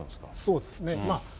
そうですね。